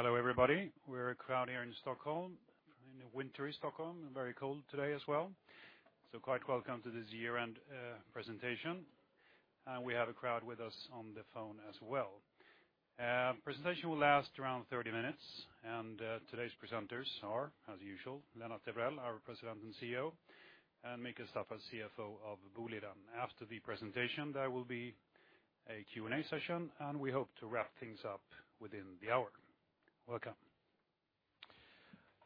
Hello, everybody. We're a crowd here in Stockholm, in a wintry Stockholm. Very cold today as well. Quite welcome to this Year-End Presentation. We have a crowd with us on the phone as well. The presentation will last around 30 minutes. Today's presenters are, as usual, Lennart Evrell, our President and CEO, and Mikael Staffas, CFO of Boliden. After the presentation, there will be a Q&A session. We hope to wrap things up within the hour. Welcome.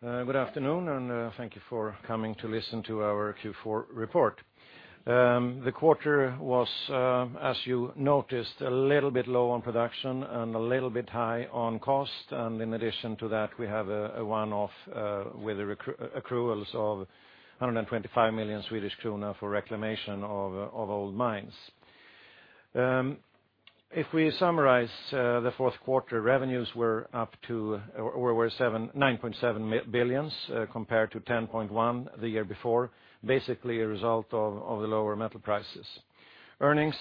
Good afternoon, and thank you for coming to listen to our Q4 report. The quarter was, as you noticed, a little bit low on production and a little bit high on cost. In addition to that, we have a one-off with the accruals of 125 million Swedish krona for reclamation of old mines. If we summarize, the fourth quarter revenues were 9.7 billion compared to 10.1 billion the year before, basically a result of the lower metal prices. Earnings,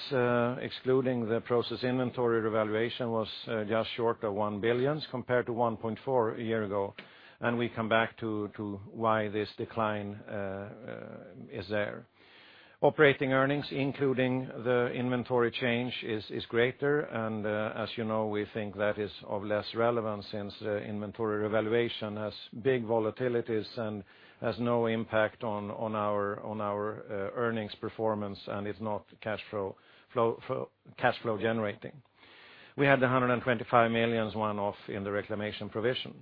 excluding the process inventory revaluation, was just short of 1 billion compared to 1.4 billion a year ago. We come back to why this decline is there. Operating earnings, including the inventory change, is greater. As you know, we think that is of less relevance since the inventory revaluation has big volatilities and has no impact on our earnings performance. It's not cash flow generating. We had the 125 million one-off in the reclamation provision.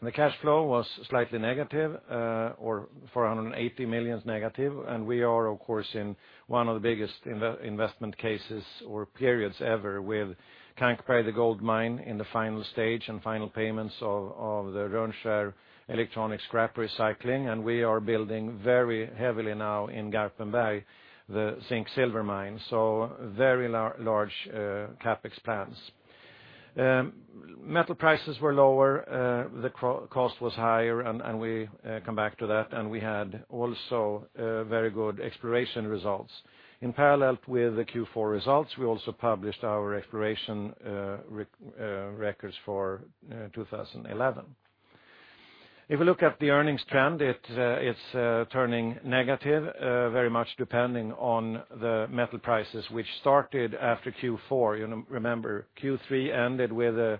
The cash flow was slightly negative, or 480 million negative. We are, of course, in one of the biggest investment cases or periods ever with Kankberg, the gold mine in the final stage and final payments of the Rönnskär electronic scrap recycling. We are building very heavily now in Garpenberg, the zinc-silver mine. Very large CapEx plans. Metal prices were lower. The cost was higher. We come back to that. We had also very good exploration results. In parallel with the Q4 results, we also published our exploration records for 2011. If we look at the earnings trend, it's turning negative, very much depending on the metal prices, which started after Q4. You remember, Q3 ended with the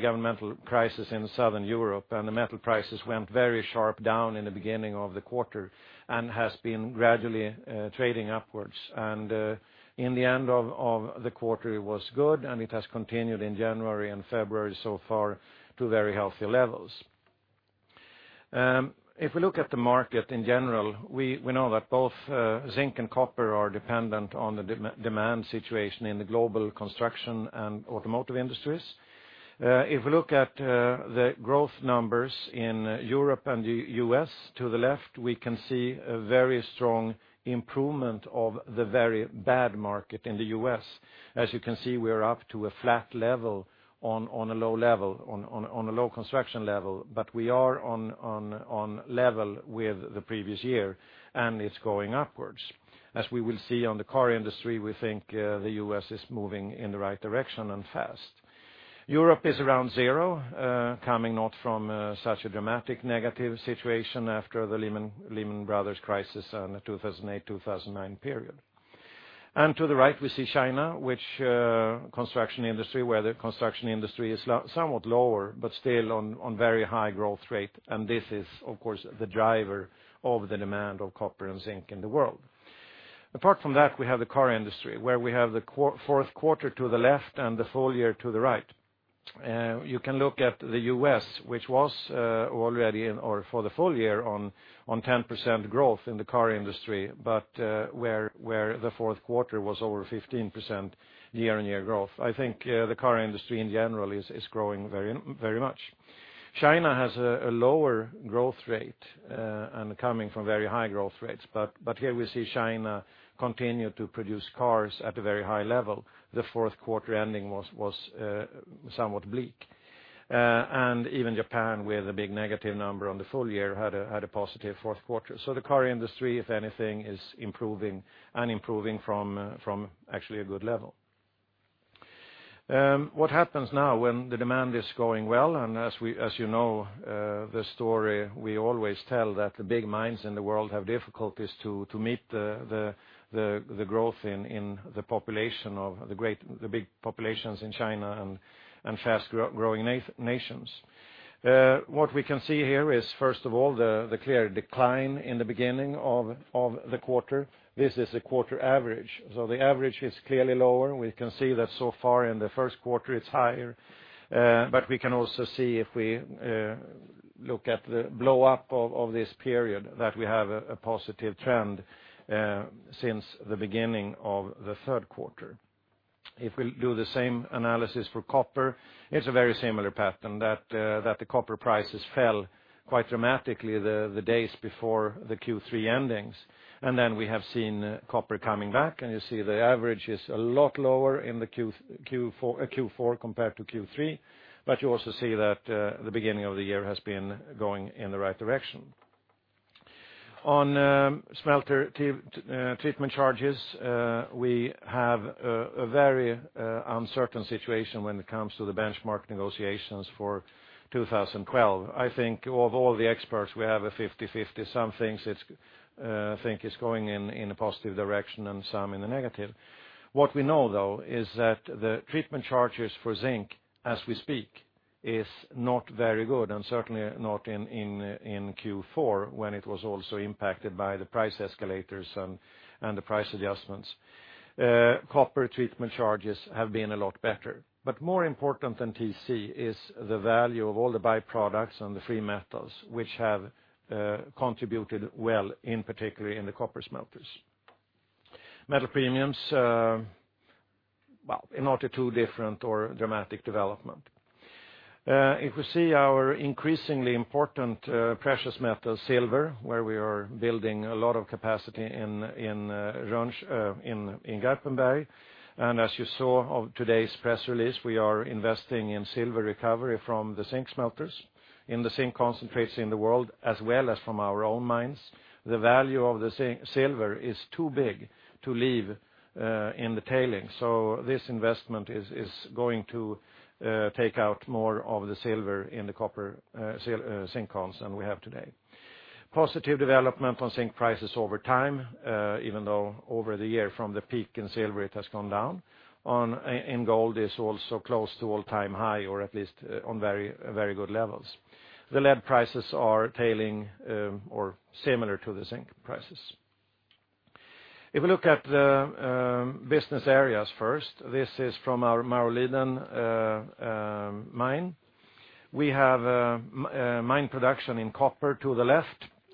governmental crisis in Southern Europe. The metal prices went very sharp down in the beginning of the quarter and have been gradually trading upwards. In the end of the quarter, it was good. It has continued in January and February so far to very healthy levels. If we look at the market in general, we know that both zinc and copper are dependent on the demand situation in the global construction and automotive industries. If we look at the growth numbers in Europe and the U.S., to the left, we can see a very strong improvement of the very bad market in the U.S. As you can see, we are up to a flat level on a low construction level. We are on level with the previous year, and it's going upwards. As we will see on the car industry, we think the U.S. is moving in the right direction and fast. Europe is around zero, coming not from such a dramatic negative situation after the Lehman Brothers crisis and the 2008-2009 period. To the right, we see China, where the construction industry is somewhat lower, but still on a very high growth rate. This is, of course, the driver of the demand of copper and zinc in the world. Apart from that, we have the car industry, where we have the fourth quarter to the left and the full year to the right. You can look at the U.S., which was already, or for the full year, on 10% growth in the car industry, but where the fourth quarter was over 15% year-on-year growth. I think the car industry in general is growing very much. China has a lower growth rate and coming from very high growth rates. Here we see China continue to produce cars at a very high level. The fourth quarter ending was somewhat bleak. Even Japan, with a big negative number on the full year, had a positive fourth quarter. The car industry, if anything, is improving and improving from actually a good level. What happens now when the demand is going well? As you know, the story we always tell is that the big mines in the world have difficulties to meet the growth in the population of the big populations in China and fast-growing nations. What we can see here is, first of all, the clear decline in the beginning of the quarter. This is a quarter average, so the average is clearly lower. We can see that so far in the first quarter, it's higher. We can also see, if we look at the blow-up of this period, that we have a positive trend since the beginning of the third quarter. If we do the same analysis for copper, it's a very similar pattern that the copper prices fell quite dramatically the days before the Q3 endings. Then we have seen copper coming back, and you see the average is a lot lower in the Q4 compared to Q3. You also see that the beginning of the year has been going in the right direction. On smelter treatment charges, we have a very uncertain situation when it comes to the benchmark negotiations for 2012. I think of all the experts, we have a 50-50. Some things I think are going in a positive direction and some in a negative. What we know, though, is that the treatment charges for zinc, as we speak, are not very good and certainly not in Q4, when it was also impacted by the price escalators and the price adjustments. Copper treatment charges have been a lot better. More important than TC is the value of all the byproducts and the free metals, which have contributed well, in particular in the copper smelters. Metal premiums, not a too different or dramatic development. If we see our increasingly important precious metal, silver, where we are building a lot of capacity in Garpenberg. As you saw of today's press release, we are investing in silver recovery from the zinc smelters, in the zinc concentrates in the world, as well as from our own mines. The value of the silver is too big to leave in the tailing. This investment is going to take out more of the silver in the copper zinc counts than we have today. Positive development on zinc prices over time, even though over the year from the peak in silver, it has gone down. In gold, it's also close to all-time high, or at least on very good levels. The lead prices are tailing or similar to the zinc prices. If we look at the business areas first, this is from our Maurleden mine. We have mine production in copper to the left,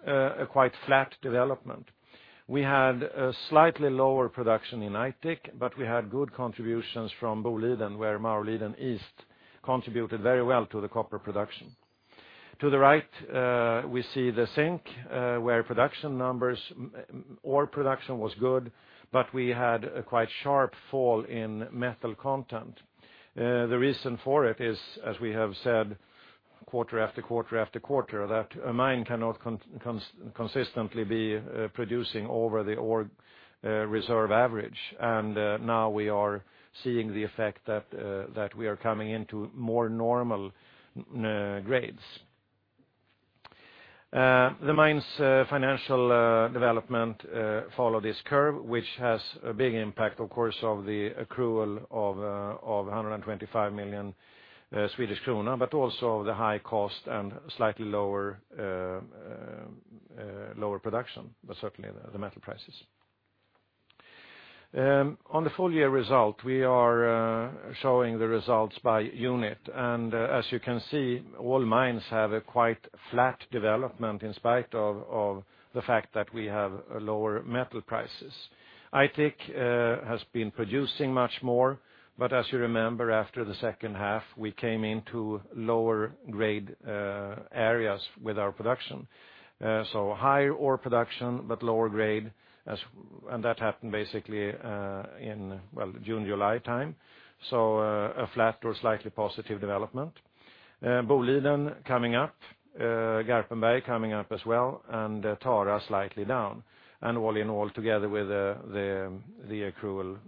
a quite flat development. We had a slightly lower production in Aitik, but we had good contributions from Boliden, where Maurleden East contributed very well to the copper production. To the right, we see the zinc, where production numbers, or production was good, but we had a quite sharp fall in metal content. The reason for it is, as we have said, quarter after quarter after quarter, that a mine cannot consistently be producing over the ore reserve average. Now we are seeing the effect that we are coming into more normal grades. The mine's financial development followed this curve, which has a big impact, of course, of the accrual of 125 million Swedish kronor, but also of the high cost and slightly lower production, but certainly the metal prices. On the full-year result, we are showing the results by unit. As you can see, all mines have a quite flat development in spite of the fact that we have lower metal prices. Aitik has been producing much more. As you remember, after the second half, we came into lower grade areas with our production. Higher ore production, but lower grade. That happened basically in June, July time. A flat or slightly positive development. Boliden coming up, Garpenberg coming up as well, and Tara slightly down. All in all, together with the accrual,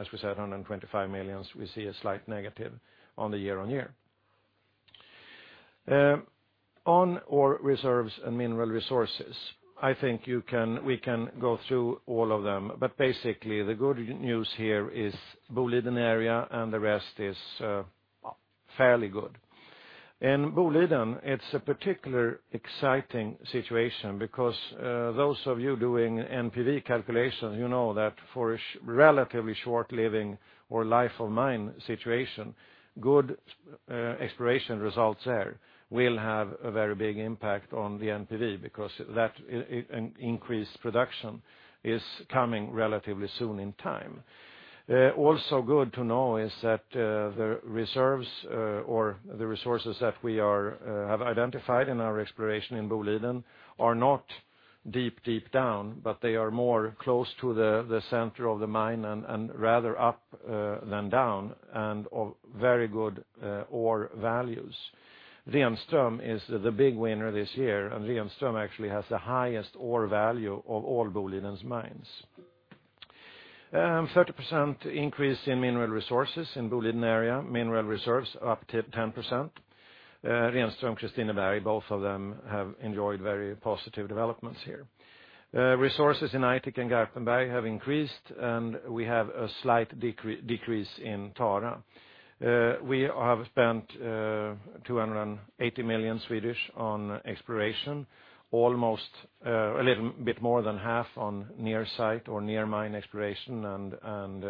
as we said, 125 million, we see a slight negative on the year-on-year. On ore reserves and mineral resources, I think we can go through all of them. Basically, the good news here is Boliden area and the rest is fairly good. In Boliden, it's a particularly exciting situation because those of you doing NPV calculations, you know that for a relatively short living or life of mine situation, good exploration results there will have a very big impact on the NPV because that increased production is coming relatively soon in time. Also good to know is that the reserves or the resources that we have identified in our exploration in Boliden are not deep, deep down, but they are more close to the center of the mine and rather up than down and of very good ore values. Renström is the big winner this year. Renström actually has the highest ore value of all Boliden's mines. A 30% increase in mineral resources in Boliden area, mineral reserves up to 10%. Renström and Kristineberg, both of them have enjoyed very positive developments here. Resources in Aitik and Garpenberg have increased. We have a slight decrease in Tara. We have spent 280 million on exploration, almost a little bit more than half on near site or near mine exploration, and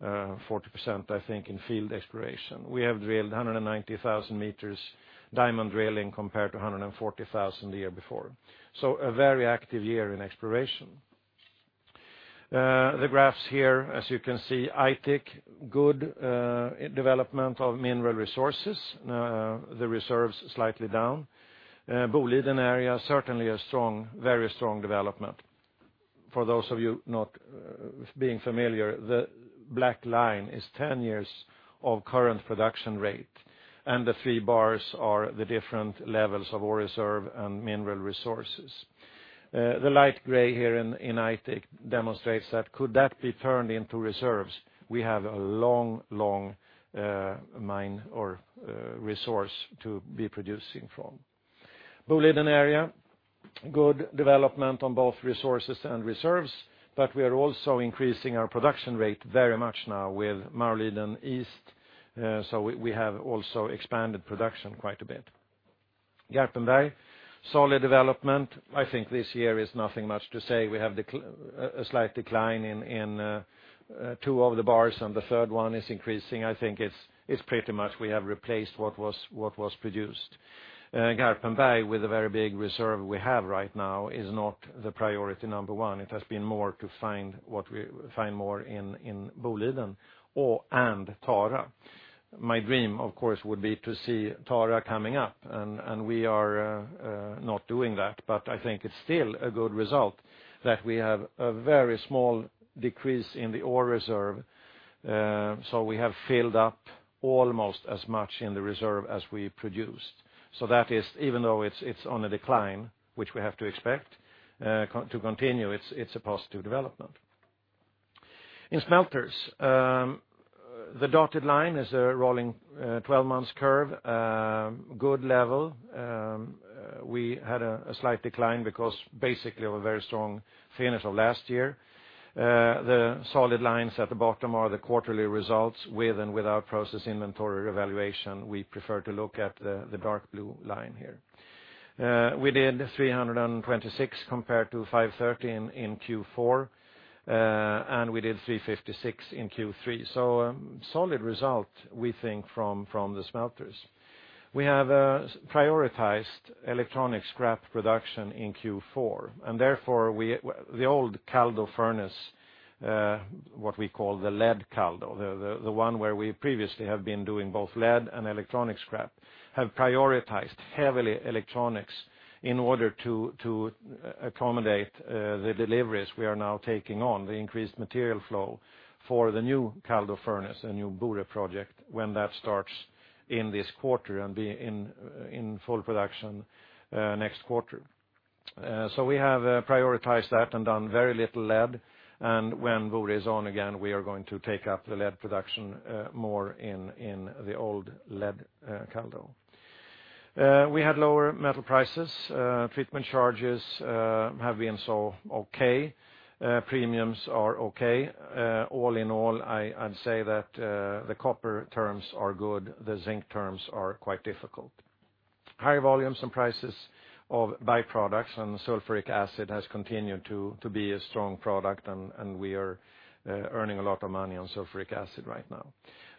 40% in field exploration. We have drilled 190,000 m diamond drilling compared to 140,000 m the year before. A very active year in exploration. The graphs here, as you can see, Aitik, good development of mineral resources. The reserves are slightly down. Boliden area, certainly a very strong development. For those of you not being familiar, the black line is 10 years of current production rate. The three bars are the different levels of ore reserve and mineral resources. The light gray here in Aitik demonstrates that could that be turned into reserves, we have a long, long mine or resource to be producing from. Boliden area, good development on both resources and reserves. We are also increasing our production rate very much now with Maurleden East. We have also expanded production quite a bit. Garpenberg, solid development. I think this year is nothing much to say. We have a slight decline in two of the bars, and the third one is increasing. I think it's pretty much we have replaced what was produced. Garpenberg, with the very big reserve we have right now, is not the priority number one. It has been more to find what we find more in Boliden and Tara. My dream, of course, would be to see Tara coming up. We are not doing that. I think it's still a good result that we have a very small decrease in the ore reserve. We have filled up almost as much in the reserve as we produced. That is, even though it's on a decline, which we have to expect to continue, it's a positive development. In smelters, the dotted line is a rolling 12-months curve, good level. We had a slight decline because basically of a very strong finish of last year. The solid lines at the bottom are the quarterly results with and without process inventory revaluation. We prefer to look at the dark blue line here. We did 326 compared to 530 in Q4, and we did 356 in Q3. A solid result, we think, from the smelters. We have prioritized electronic scrap production in Q4. Therefore, the old Kaldo furnace, what we call the lead Kaldo, the one where we previously have been doing both lead and electronic scrap, have prioritized heavily electronics in order to accommodate the deliveries we are now taking on, the increased material flow for the new Kaldo furnace, a new Bure project, when that starts in this quarter and be in full production next quarter. We have prioritized that and done very little lead. When Bure is on again, we are going to take up the lead production more in the old lead Kaldo. We had lower metal prices. Treatment charges have been so OK. Premiums are OK. All in all, I'd say that the copper terms are good. The zinc terms are quite difficult. High volumes and prices of byproducts. Sulfuric acid has continued to be a strong product, and we are earning a lot of money on sulfuric acid right now.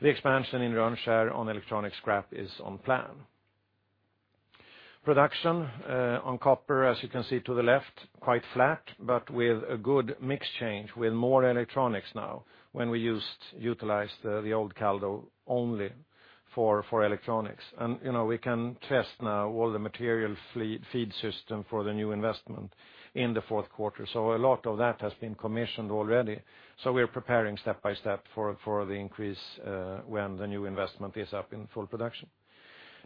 The expansion in Rönnskär on electronic scrap is on plan. Production on copper, as you can see to the left, quite flat, but with a good mix change with more electronics now when we utilized the old Kaldo only for electronics. We can test now all the material feed system for the new investment in the fourth quarter. A lot of that has been commissioned already. We're preparing step by step for the increase when the new investment is up in full production.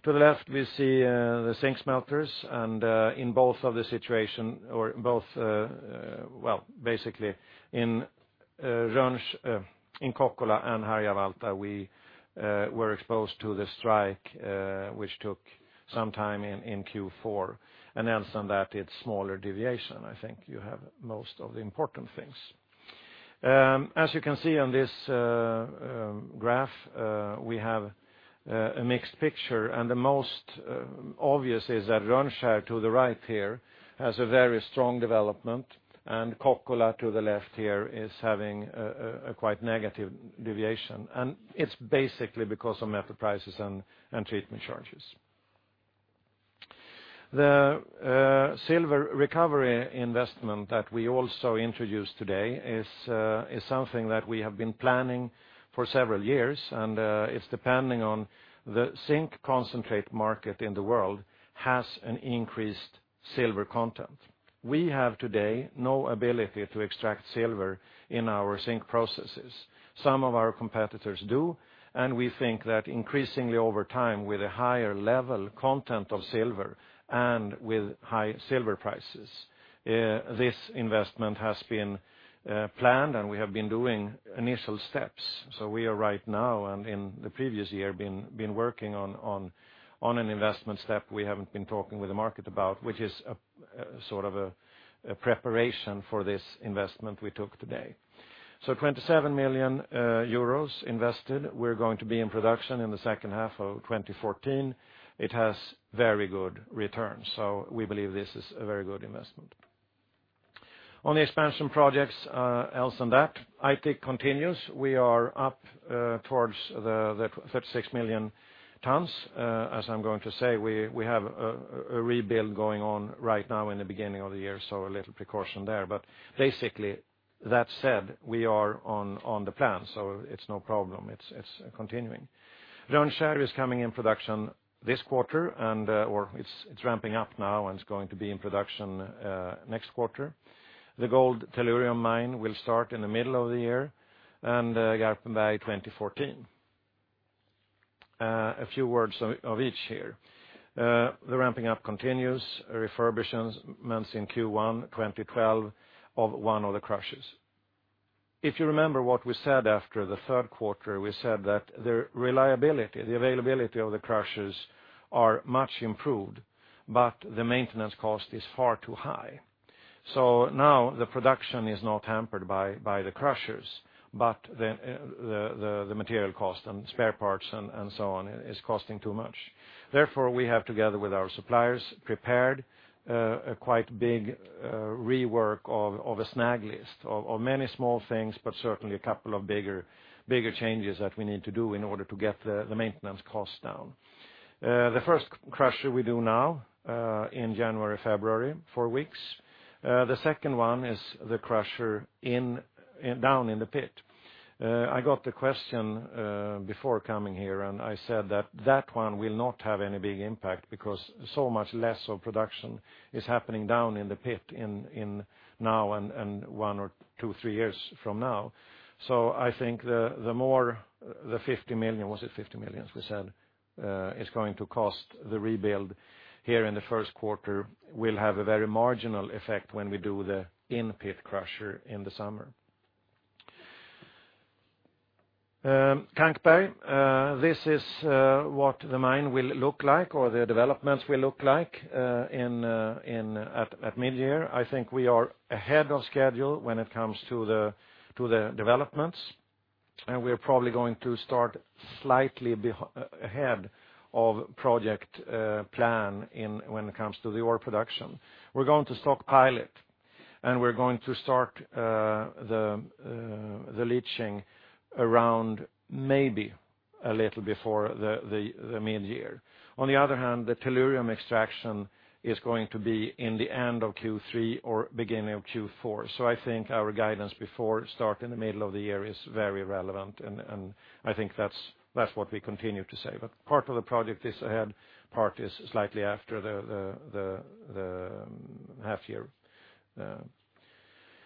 To the left, we see the zinc smelters. In both of the situations, basically in Rönnskär, in Kokkola, and Harjavalta, we were exposed to the strike, which took some time in Q4. Else on that, it's a smaller deviation. I think you have most of the important things. As you can see on this graph, we have a mixed picture. The most obvious is that Rönnskär to the right here has a very strong development. Kokkola to the left here is having a quite negative deviation. It's basically because of metal prices and treatment charges. The silver recovery investment that we also introduced today is something that we have been planning for several years. It's depending on the zinc concentrate market in the world having an increased silver content. We have today no ability to extract silver in our zinc processes. Some of our competitors do. We think that increasingly over time, with a higher level content of silver and with high silver prices, this investment has been planned. We have been doing initial steps. We are right now, and in the previous year, working on an investment step we haven't been talking with the market about, which is a sort of a preparation for this investment we took today. 27 million euros invested. We're going to be in production in the second half of 2014. It has very good returns. We believe this is a very good investment. On the expansion projects, else on that, Aitik continues. We are up towards the 36 million tons. As I'm going to say, we have a rebuild going on right now in the beginning of the year. A little precaution there. Basically, that said, we are on the plan. It's no problem. It's continuing. Rönnskär is coming in production this quarter. It's ramping up now. It's going to be in production next quarter. The gold tellurium mine will start in the middle of the year. Garpenberg 2014. A few words of each here. The ramping up continues. Refurbishments in Q1 2012 of one of the crushers. If you remember what we said after the third quarter, we said that the reliability, the availability of the crushers are much improved. The maintenance cost is far too high. Now the production is not hampered by the crushers. The material cost and spare parts and so on is costing too much. Therefore, we have, together with our suppliers, prepared a quite big rework of a snag list of many small things, but certainly a couple of bigger changes that we need to do in order to get the maintenance costs down. The first crusher we do now in January, February, four weeks. The second one is the crusher down in the pit. I got the question before coming here. I said that that one will not have any big impact because so much less of production is happening down in the pit now and one or two, three years from now. I think the more the 50 million, was it 50 million we said, is going to cost the rebuild here in the first quarter will have a very marginal effect when we do the in-pit crusher in the summer. Kankberg, this is what the mine will look like or the developments will look like at mid-year. I think we are ahead of schedule when it comes to the developments. We are probably going to start slightly ahead of the project plan when it comes to the ore production. We're going to stockpilot. We're going to start the leaching around maybe a little before the mid-year. On the other hand, the tellurium extraction is going to be in the end of Q3 or beginning of Q4. I think our guidance before start in the middle of the year is very relevant. I think that's what we continue to say. Part of the project is ahead. Part is slightly after the half year.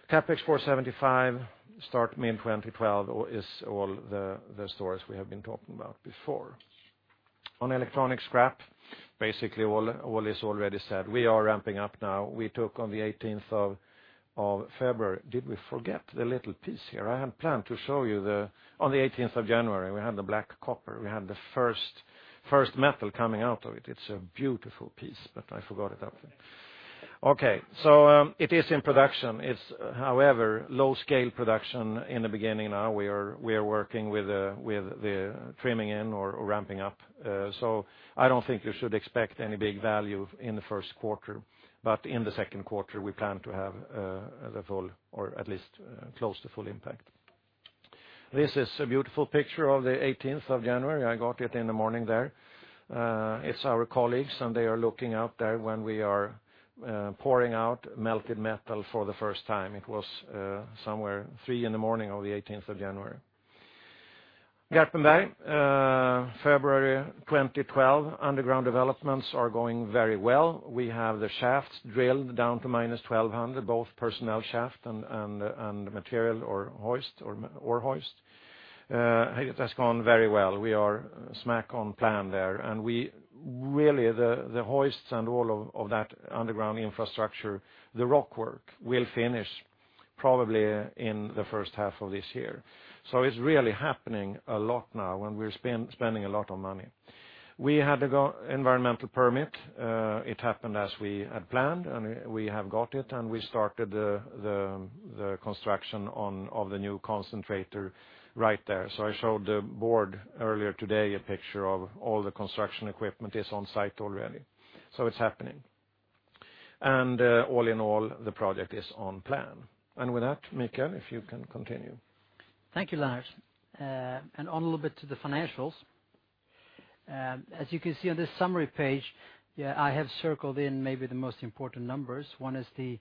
CapEx 475 million, start mid-2012 is all the stories we have been talking about before. On electronic scrap, basically all is already said. We are ramping up now. We took on the 18th of February. Did we forget the little piece here? I had planned to show you on the 18th of January. We had the black copper. We had the first metal coming out of it. It's a beautiful piece. I forgot it up there. OK. It is in production. It's, however, low-scale production in the beginning now. We are working with the trimming in or ramping up. I don't think you should expect any big value in the first quarter. In the second quarter, we plan to have the full or at least close to full impact. This is a beautiful picture of the 18th of January. I got it in the morning there. It's our colleagues. They are looking out there when we are pouring out melted metal for the first time. It was somewhere 3:00 A.M. in the morning of the 18th of January. Garpenberg, February 2012. Underground developments are going very well. We have the shafts drilled down to -1,200, both personnel shaft and material or ore hoist. It has gone very well. We are smack on plan there. Really, the hoists and all of that underground infrastructure, the rock work will finish probably in the first half of this year. It's really happening a lot now. We're spending a lot of money. We had the environmental permit. It happened as we had planned, and we have got it. We started the construction of the new concentrator right there. I showed the board earlier today a picture of all the construction equipment is on site already. It's happening, and all in all, the project is on plan. With that, Mikael, if you can continue. Thank you, Lennart. On a little bit to the financials. As you can see on this summary page, I have circled in maybe the most important numbers. One is the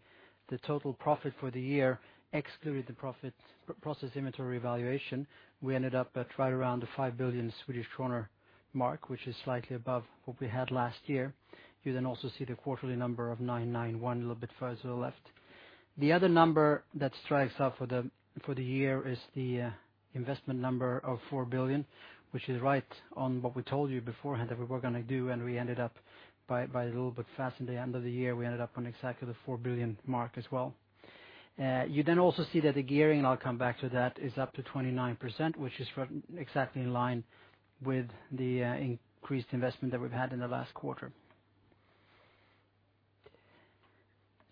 total profit for the year, excluding the process inventory revaluation. We ended up at right around the 5 billion Swedish kronor mark, which is slightly above what we had last year. You then also see the quarterly number of 991 million, a little bit further to the left. The other number that strikes out for the year is the investment number of 4 billion, which is right on what we told you beforehand that we were going to do. We ended up by a little bit faster than the end of the year. We ended up on exactly the 4 billion mark as well. You then also see that the gearing, and I'll come back to that, is up to 29%, which is exactly in line with the increased investment that we've had in the last quarter.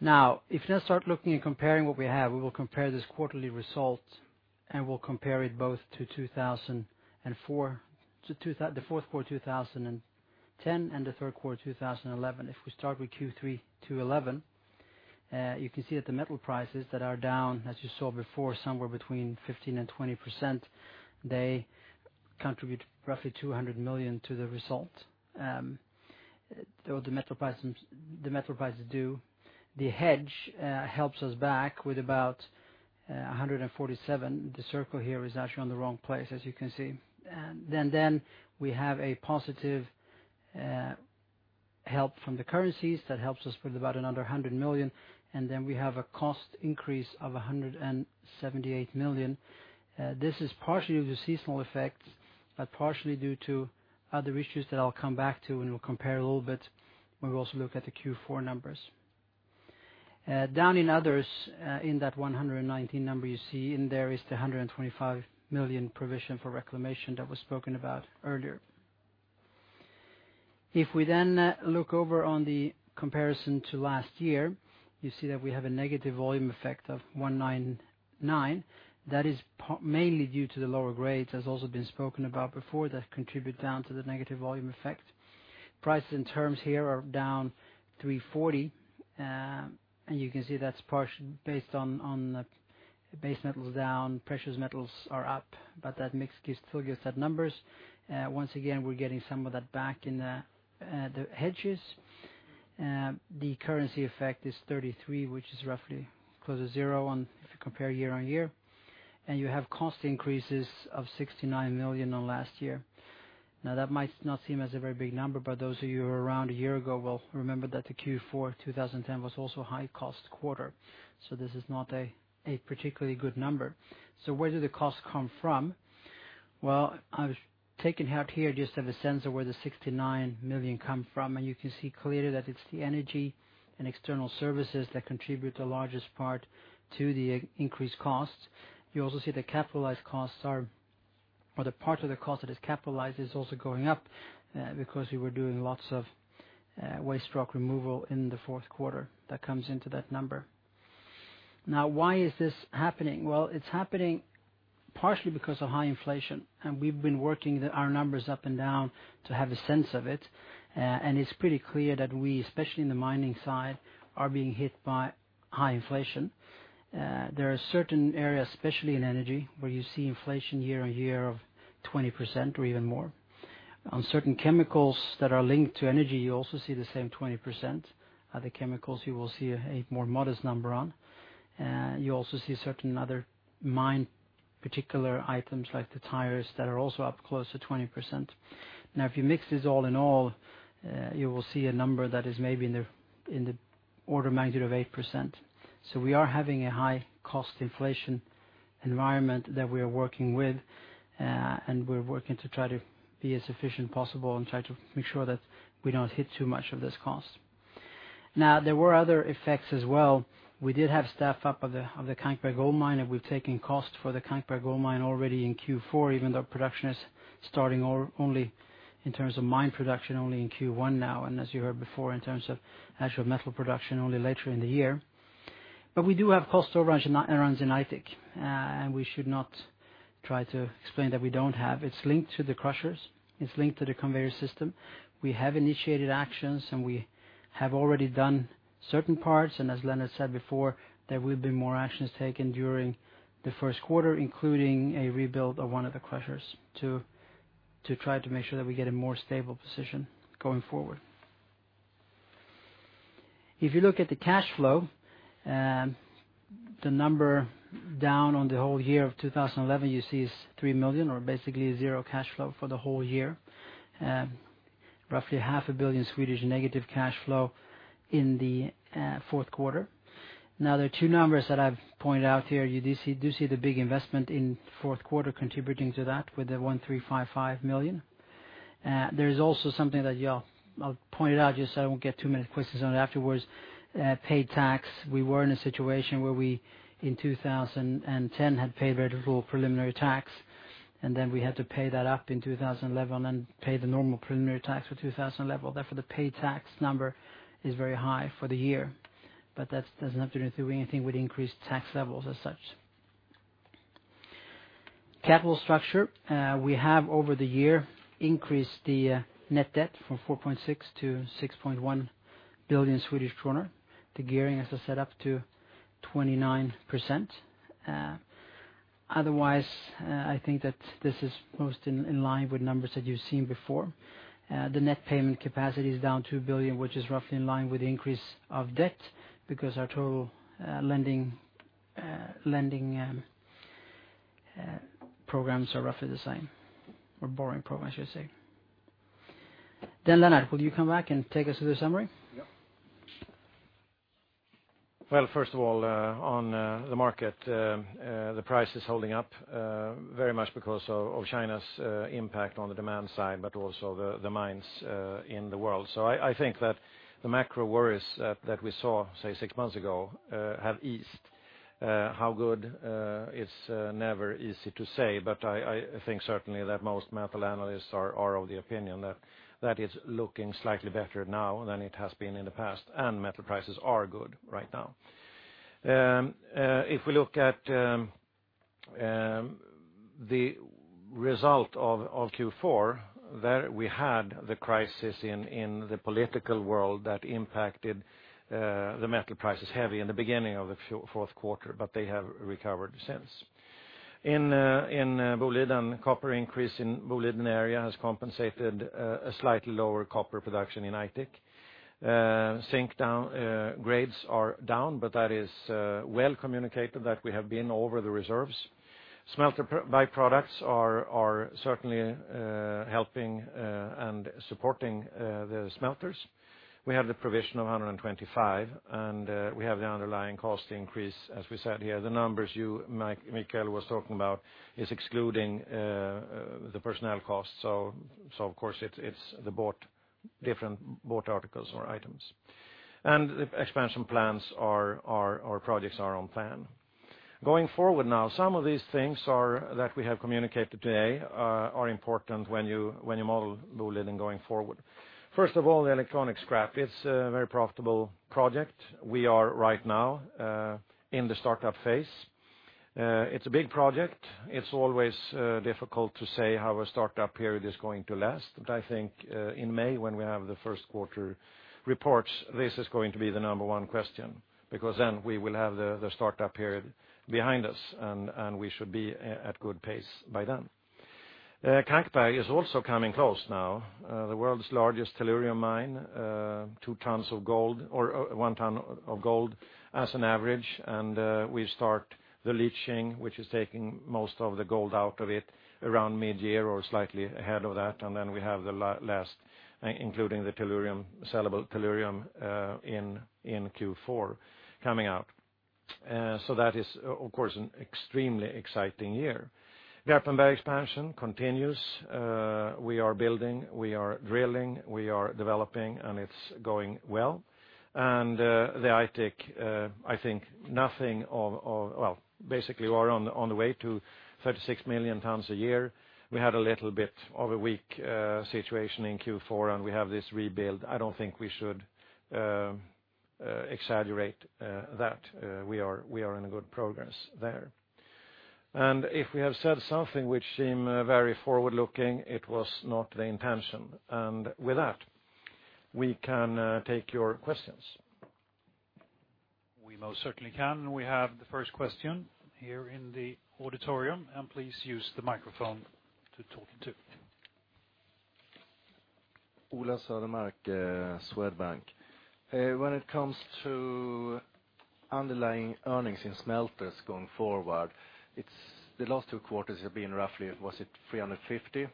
Now, if you start looking and comparing what we have, we will compare this quarterly result. We'll compare it both to the fourth quarter of 2010 and the third quarter of 2011. If we start with Q3 2011, you can see that the metal prices that are down, as you saw before, somewhere between 15% and 20%, they contribute roughly 200 million to the result. The metal prices do. The hedge helps us back with about 147 million. The circle here is actually on the wrong place, as you can see. Then we have a positive help from the currencies that helps us with about another 100 million. Then we have a cost increase of 178 million. This is partially due to seasonal effects, but partially due to other issues that I'll come back to. We'll compare a little bit when we also look at the Q4 numbers. Down in others, in that 119 million number you see in there is the 125 million provision for reclamation that was spoken about earlier. If we then look over on the comparison to last year, you see that we have a negative volume effect of 199 million. That is mainly due to the lower grades, as also been spoken about before, that contribute down to the negative volume effect. Prices and terms here are down 340 million. You can see that's partially based on base metals down. Precious metals are up. That mix still gives us numbers. Once again, we're getting some of that back in the hedges. The currency effect is 33 million, which is roughly close to zero if you compare year on year. You have cost increases of 69 million on last year. That might not seem as a very big number. Those of you who were around a year ago will remember that Q4 2010 was also a high-cost quarter. This is not a particularly good number. Where do the costs come from? I've taken out here just a sense of where the 69 million come from. You can see clearly that it's the energy and external services that contribute the largest part to the increased costs. You also see the capitalized costs, or the part of the cost that is capitalized, is also going up because we were doing lots of waste stock removal in the fourth quarter. That comes into that number. Why is this happening? It's happening partially because of high inflation. We've been working our numbers up and down to have a sense of it. It's pretty clear that we, especially in the mining side, are being hit by high inflation. There are certain areas, especially in energy, where you see inflation year-on-year of 20% or even more. On certain chemicals that are linked to energy, you also see the same 20%. Other chemicals, you will see a more modest number on. You also see certain other mine, particular items like the tires that are also up close to 20%. If you mix this all in all, you will see a number that is maybe in the order of magnitude of 8%. We are having a high-cost inflation environment that we are working with. We're working to try to be as efficient as possible and try to make sure that we don't hit too much of this cost. There were other effects as well. We did have staff up of the Kankberg gold mine. We've taken cost for the Kankberg gold mine already in Q4, even though production is starting only in terms of mine production only in Q1 now. As you heard before, in terms of actual metal production only later in the year. We do have cost overruns in Aitik. We should not try to explain that we don't have. It's linked to the crushers. It's linked to the conveyor system. We have initiated actions. We have already done certain parts. As Lennart said before, there will be more actions taken during the first quarter, including a rebuild of one of the crushers to try to make sure that we get a more stable position going forward. If you look at the cash flow, the number down on the whole year of 2011 you see is 3 million, or basically zero cash flow for the whole year. Roughly half a billion Swedish negative cash flow in the fourth quarter. There are two numbers that I've pointed out here. You do see the big investment in the fourth quarter contributing to that with the 1.355 million. There is also something that I'll point out just so I won't get too many questions on it afterwards. Paid tax. We were in a situation where we, in 2010, had paid very little preliminary tax. We had to pay that up in 2011 and then pay the normal preliminary tax for 2011. Therefore, the paid tax number is very high for the year. That doesn't have to do anything with increased tax levels as such. Capital structure, we have over the year increased the net debt from 4.6 billion to 6.1 billion Swedish kronor. The gearing, as I said, up to 29%. Otherwise, I think that this is most in line with numbers that you've seen before. The net payment capacity is down 2 billion, which is roughly in line with the increase of debt because our total lending programs are roughly the same, or borrowing programs, I should say. Lennart, will you come back and take us through the summary? First of all, on the market, the price is holding up very much because of China's impact on the demand side, but also the mines in the world. I think that the macro worries that we saw, say, six months ago, have eased. How good is never easy to say. I think certainly that most metal analysts are of the opinion that it's looking slightly better now than it has been in the past. Metal prices are good right now. If we look at the result of Q4, we had the crisis in the political world that impacted the metal prices heavily in the beginning of the fourth quarter, but they have recovered since. In Boliden, copper increase in Boliden area has compensated a slightly lower copper production in Aitik. Zinc grades are down, but that is well communicated that we have been over the reserves. Smelter byproducts are certainly helping and supporting the smelters. We have the provision of 125 million. We have the underlying cost increase, as we said here. The numbers you, Mikael, were talking about, is excluding the personnel costs. Of course, it's the bought different bought articles or items. The expansion plans or projects are on plan. Going forward now, some of these things that we have communicated today are important when you model Boliden going forward. First of all, the electronic scrap. It's a very profitable project. We are right now in the startup phase. It's a big project. It's always difficult to say how a startup period is going to last. I think in May, when we have the first quarter reports, this is going to be the number one question because then we will have the startup period behind us. We should be at good pace by then. Kankberg is also coming close now. The world's largest tellurium mine, 2 tons of gold or 1 ton of gold as an average. We start the leaching, which is taking most of the gold out of it around mid-year or slightly ahead of that. Then we have the last, including the sellable tellurium in Q4 coming out. That is, of course, an extremely exciting year. Garpenberg expansion continues. We are building. We are drilling. We are developing. It's going well. The Aitik, I think nothing of, basically, we are on the way to 36 million tons a year. We had a little bit of a weak situation in Q4. We have this rebuild. I don't think we should exaggerate that. We are in a good progress there. If we have said something which seemed very forward-looking, it was not the intention. With that, we can take your questions. We most certainly can. We have the first question here in the auditorium. Please use the microphone to talk. When it comes to underlying earnings in smelters going forward, the last two quarters have been roughly, was it 350 million?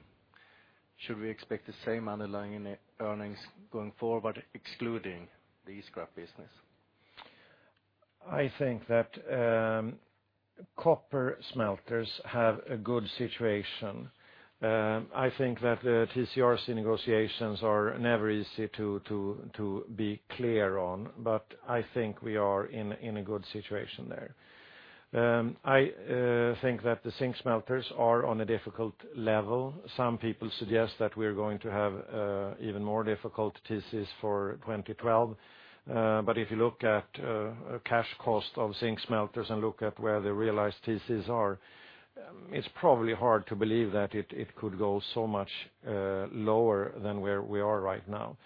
Should we expect the same underlying earnings going forward, excluding the e-scrap business? I think that copper smelters have a good situation. I think that the TCRC negotiations are never easy to be clear on. I think we are in a good situation there. I think that the zinc smelters are on a difficult level. Some people suggest that we are going to have even more difficult TCs for 2012. If you look at the cash cost of zinc smelters and look at where the realized TCs are, it's probably hard to believe that it could go so much lower than where we are right now.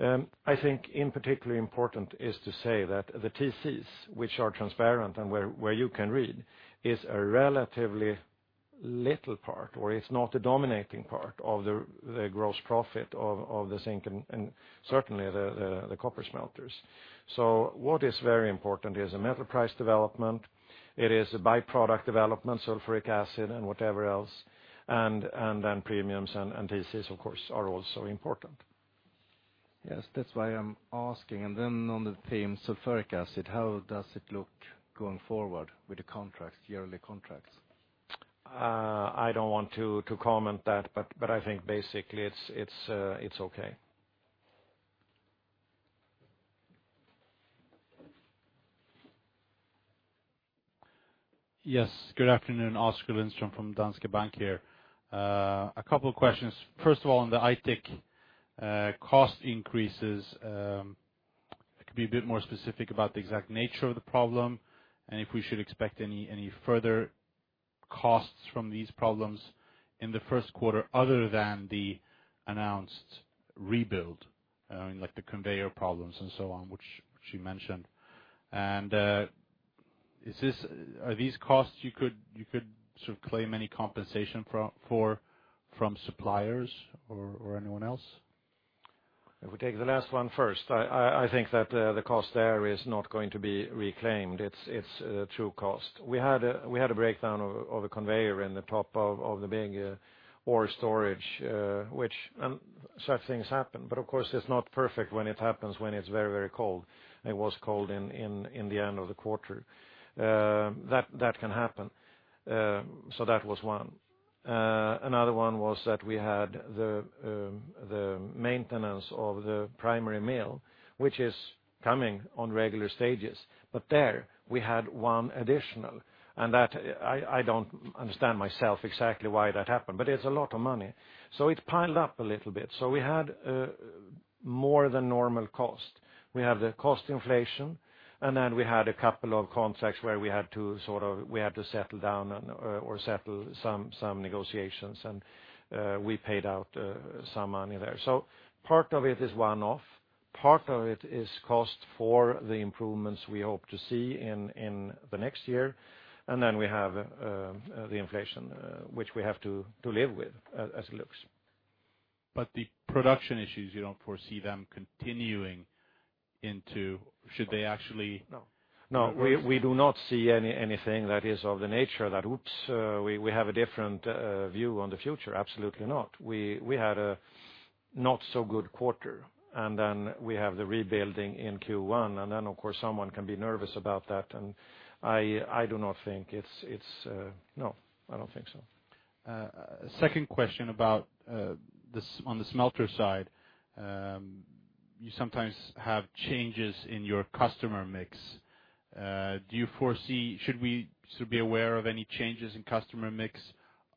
I think particularly important is to say that the TCs, which are transparent and where you can read, is a relatively little part, or it's not a dominating part of the gross profit of the zinc and certainly the copper smelters. What is very important is the metal price development. It is a byproduct development, sulfuric acid and whatever else. Then premiums and TCs, of course, are also important. Yes, that's why I'm asking. On the theme sulfuric acid, how does it look going forward with the contracts, yearly contracts? I don't want to comment that. I think basically it's OK. Yes, good afternoon. Oscar Lindström from Danske Bank here. A couple of questions. First of all, on the Aitik cost increases, could you be a bit more specific about the exact nature of the problem? If we should expect any further costs from these problems in the first quarter other than the announced rebuild, like the conveyor problems and so on, which you mentioned. Are these costs you could sort of claim any compensation for from suppliers or anyone else? If we take the last one first, I think that the cost there is not going to be reclaimed. It's a true cost. We had a breakdown of a conveyor in the top of the big ore storage, which such things happen. Of course, it's not perfect when it happens when it's very, very cold. It was cold in the end of the quarter. That can happen. That was one. Another one was that we had the maintenance of the primary mill, which is coming on regular stages. There, we had one additional. I don't understand myself exactly why that happened. It's a lot of money. It piled up a little bit. We had more than normal cost. We have the cost inflation. We had a couple of contracts where we had to settle down or settle some negotiations. We paid out some money there. Part of it is one-off. Part of it is cost for the improvements we hope to see in the next year. We have the inflation, which we have to live with as it looks. The production issues, you don't foresee them continuing into, should they actually? No, we do not see anything that is of the nature that, oops, we have a different view on the future. Absolutely not. We had a not-so-good quarter, and we have the rebuilding in Q1. Of course, someone can be nervous about that. I do not think so. Second question about on the smelter side. You sometimes have changes in your customer mix. Do you foresee should we be aware of any changes in customer mix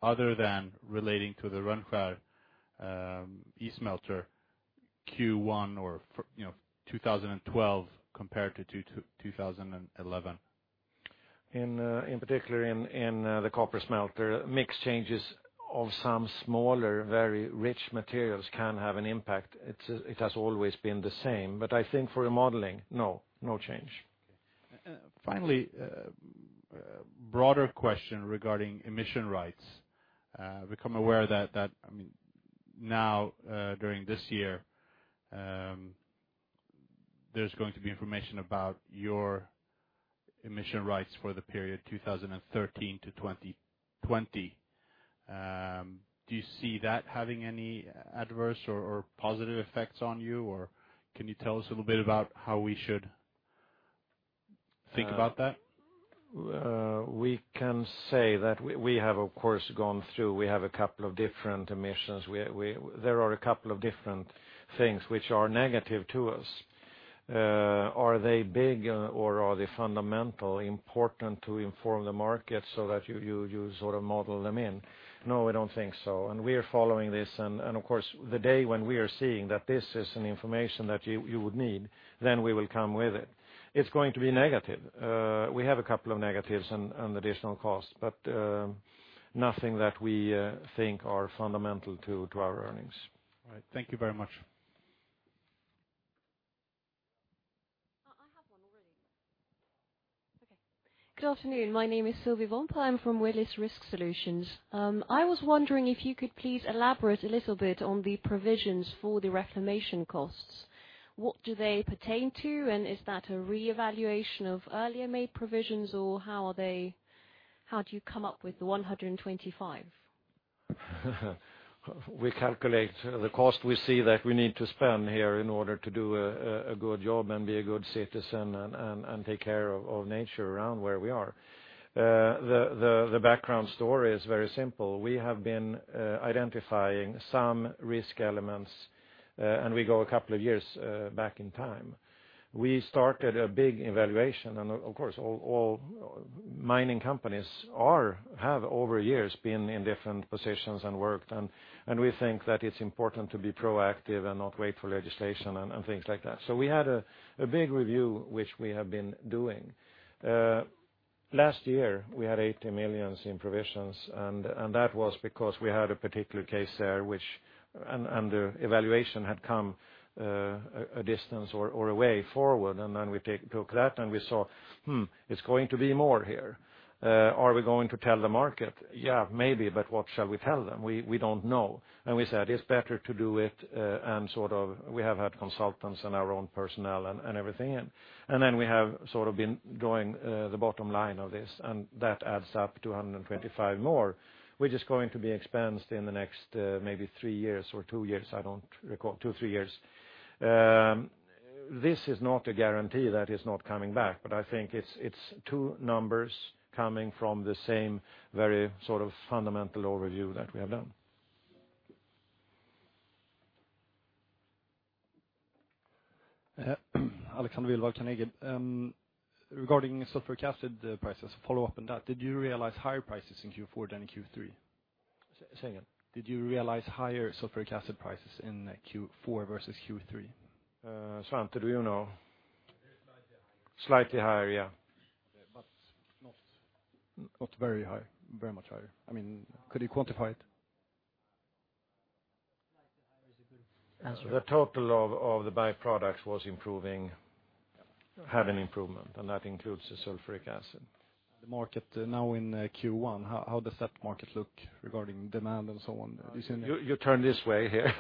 other than relating to the Rönnskär e-scrap smelter Q1 2012 compared to 2011? In particular, in the copper smelter, mix changes of some smaller, very rich materials can have an impact. It has always been the same. I think for remodeling, no, no change. Finally, a broader question regarding emission rights. I have become aware that, I mean, now during this year, there's going to be information about your emission rights for the period 2013-2020. Do you see that having any adverse or positive effects on you? Or can you tell us a little bit about how we should think about that? We can say that we have, of course, gone through. We have a couple of different emissions. There are a couple of different things which are negative to us. Are they big or are they fundamentally important to inform the market so that you sort of model them in? No, I don't think so. We are following this. Of course, the day when we are seeing that this is information that you would need, then we will come with it. It's going to be negative. We have a couple of negatives and additional costs, but nothing that we think are fundamental to our earnings. Thank you very much. I have one already. OK. Good afternoon. My name is Sylvie Wompel. I'm from Willys Risk Solutions. I was wondering if you could please elaborate a little bit on the provisions for the reclamation costs. What do they pertain to? Is that a reevaluation of earlier made provisions? How do you come up with the 125 million? We calculate the cost we see that we need to spend here in order to do a good job and be a good citizen and take care of nature around where we are. The background story is very simple. We have been identifying some risk elements. We go a couple of years back in time. We started a big evaluation. Of course, all mining companies have over years been in different positions and worked. We think that it's important to be proactive and not wait for legislation and things like that. We had a big review, which we have been doing. Last year, we had 80 million zinc provisions. That was because we had a particular case there, which under evaluation had come a distance or a way forward. We took that. We saw, it's going to be more here. Are we going to tell the market? Yeah, maybe. What shall we tell them? We don't know. We said it's better to do it. We have had consultants and our own personnel and everything in. We have been drawing the bottom line of this. That adds up to 125 million more, which is going to be expensed in the next maybe three years or two years, I don't recall, two, three years. This is not a guarantee that it's not coming back. I think it's two numbers coming from the same very sort of fundamental overview that we have done. Alexander Wilbag, Carnegie. Regarding sulfuric acid prices, a follow-up on that. Did you realize higher prices in Q4 than in Q3? Say again. Did you realize higher sulfuric acid prices in Q4 versus Q3? Slightly higher, yeah. Not very much higher. I mean, could you quantify it? Answer. The total of the byproducts was improving, had an improvement. That includes the sulfuric acid. The market now in Q1, how does that market look regarding demand and so on? You turn this way here.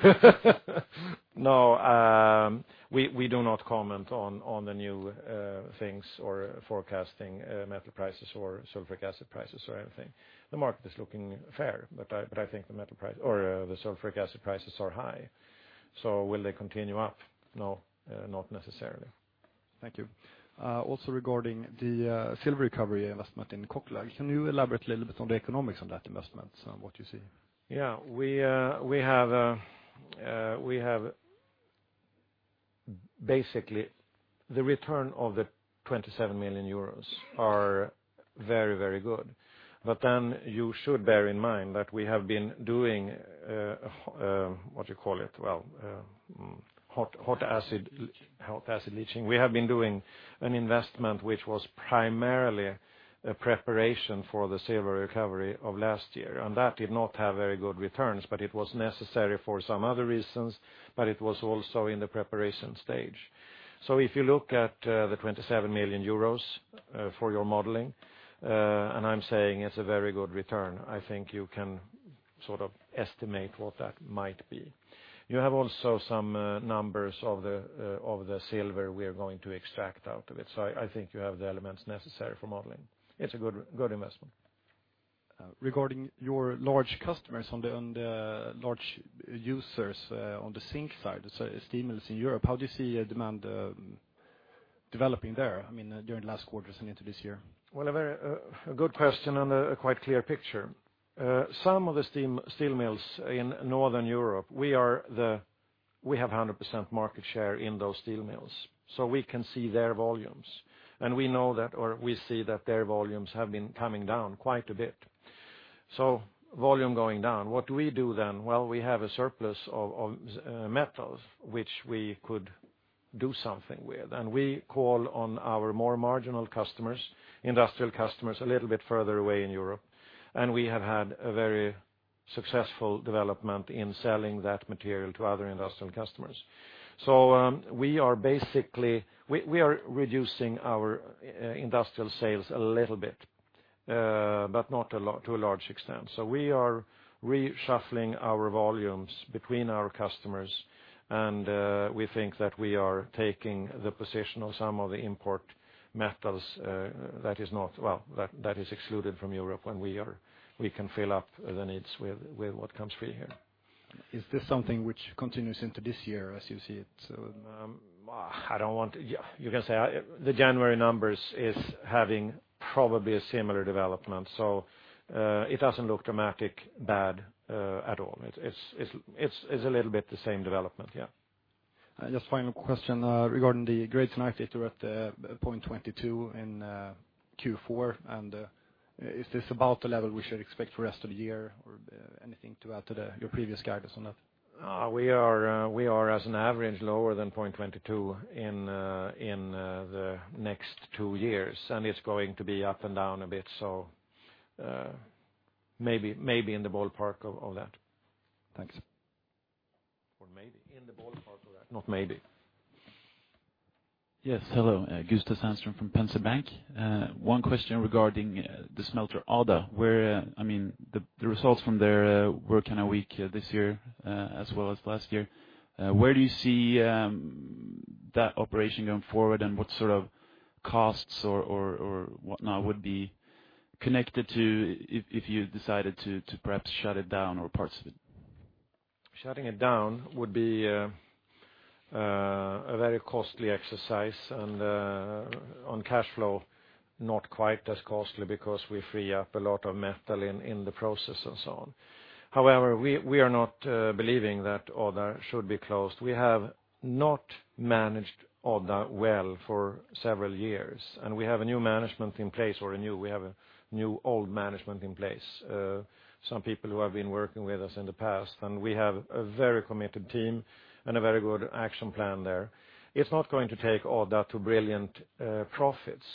No, we do not comment on the new things or forecasting metal prices or sulfuric acid prices or anything. The market is looking fair. I think the metal price or the sulfuric acid prices are high. Will they continue up? No, not necessarily. Thank you. Also regarding the silver recovery investment in Kokkola, can you elaborate a little bit on the economics of that investment and what you see? Yeah, we have basically the return of the 27 million euros are very, very good. You should bear in mind that we have been doing hot acid leaching. We have been doing an investment which was primarily a preparation for the silver recovery of last year, and that did not have very good returns. It was necessary for some other reasons. It was also in the preparation stage. If you look at the 27 million euros for your modeling, and I'm saying it's a very good return, I think you can sort of estimate what that might be. You have also some numbers of the silver we are going to extract out of it. I think you have the elements necessary for modeling. It's a good investment. Regarding your large customers and the large users on the zinc side, the steel mills in Europe, how do you see demand developing there? I mean, during the last quarters and into this year? is a very good question and a quite clear picture. Some of the steel mills in Northern Europe, we have 100% market share in those steel mills. We can see their volumes, and we know that or we see that their volumes have been coming down quite a bit. Volume going down, what do we do then? We have a surplus of metals which we could do something with. We call on our more marginal customers, industrial customers a little bit further away in Europe. We have had a very successful development in selling that material to other industrial customers. We are basically reducing our industrial sales a little bit, but not to a large extent. We are reshuffling our volumes between our customers, and we think that we are taking the position of some of the import metals that is not, that is excluded from Europe. We can fill up the needs with what comes free here. Is this something which continues into this year as you see it? You can say the January numbers are having probably a similar development. It doesn't look dramatically bad at all. It's a little bit the same development, yeah. Just a final question regarding the grades in Aitik. You're at 0.22 in Q4. Is this about the level we should expect for the rest of the year, or anything to add to your previous guidance on that? We are, as an average, lower than 0.22 in the next two years. It's going to be up and down a bit, maybe in the ballpark of that. Thanks. Or maybe in the ballpark of that. Not maybe. Yes, hello. Gustav Sandström from Pensa Bank. One question regarding the smelter Rönnskär. I mean, the results from there were kind of weak this year as well as last year. Where do you see that operation going forward? What sort of costs or whatnot would be connected to if you decided to perhaps shut it down or parts of it? Shutting it down would be a very costly exercise. On cash flow, not quite as costly because we free up a lot of metal in the process and so on. However, we are not believing that Aitik should be closed. We have not managed Aitik well for several years. We have a new management in place, or a new old management in place, some people who have been working with us in the past. We have a very committed team and a very good action plan there. It's not going to take Aitik to brilliant profits.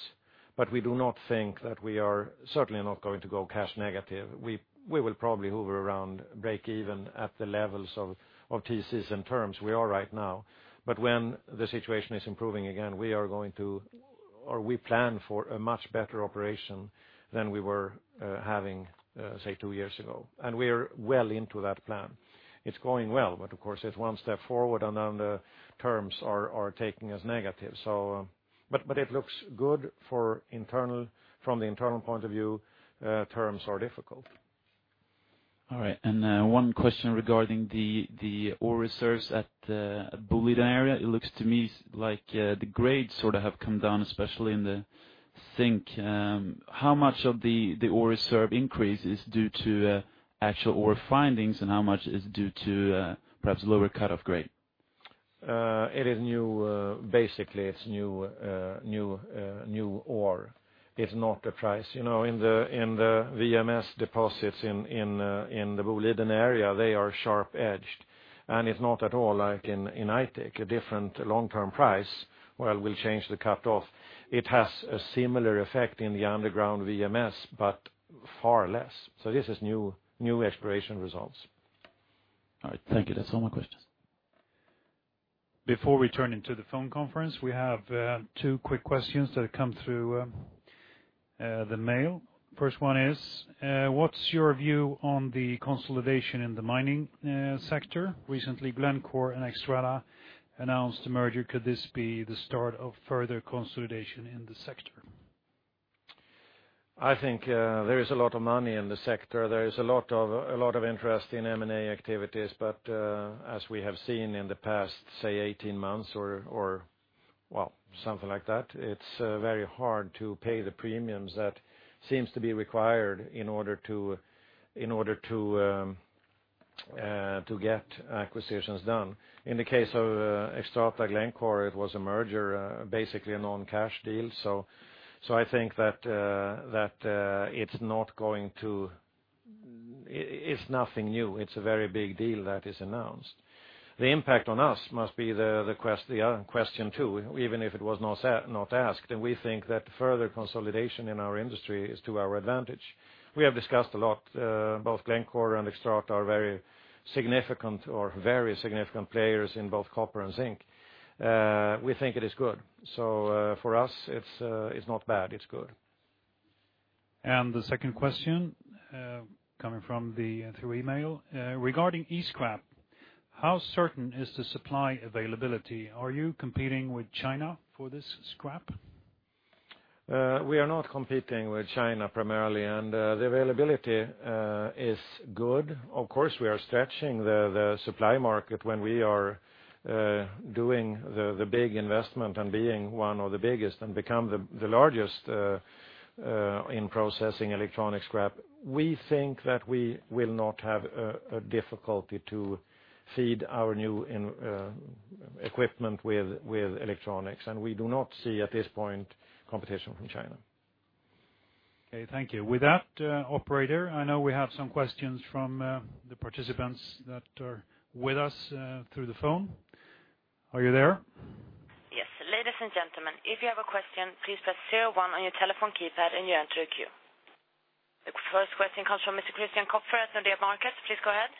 We do not think that we are certainly not going to go cash negative. We will probably hover around break even at the levels of TCs and terms we are right now. When the situation is improving again, we are going to, or we plan for a much better operation than we were having, say, two years ago. We are well into that plan. It's going well. Of course, it's one step forward, and then the terms are taking us negative. It looks good from the internal point of view. Terms are difficult. All right. One question regarding the ore reserves at Boliden area. It looks to me like the grades have come down, especially in the zinc. How much of the ore reserve increase is due to actual ore findings, and how much is due to perhaps lower cut-off grade? It is new, basically. It's new ore. It's not the price. You know, in the VMS deposits in the Boliden area, they are sharp-edged. It's not at all like in Aitik, a different long-term price. We'll change the cut-off. It has a similar effect in the underground VMS, but far less. This is new exploration results. All right. Thank you. That's all my questions. Before we turn into the phone conference, we have two quick questions that have come through the mail. First one is, what's your view on the consolidation in the mining sector? Recently, Glencore and Xstrata announced a merger. Could this be the start of further consolidation in the sector? I think there is a lot of money in the sector. There is a lot of interest in M&A activities. As we have seen in the past, say, 18 months or something like that, it's very hard to pay the premiums that seem to be required in order to get acquisitions done. In the case of Xstrata-Glencore, it was a merger, basically a non-cash deal. I think that it's not going to, it's nothing new. It's a very big deal that is announced. The impact on us must be the question too, even if it was not asked. We think that further consolidation in our industry is to our advantage. We have discussed a lot. Both Glencore and Xstrata are very significant players in both copper and zinc. We think it is good. For us, it's not bad. It's good. The second question is coming through email. Regarding e-scrap, how certain is the supply availability? Are you competing with China for this scrap? We are not competing with China primarily, and the availability is good. Of course, we are stretching the supply market when we are doing the big investment and being one of the biggest and become the largest in processing e-scrap. We think that we will not have a difficulty to feed our new equipment with electronics, and we do not see at this point competition from China. OK, thank you. With that, operator, I know we have some questions from the participants that are with us through the phone. Are you there? Yes, ladies and gentlemen, if you have a question, please press 01 on your telephone keypad and you enter a queue. The first question comes from Mr. Christian Kopfer at Nordea Markets. Please go ahead.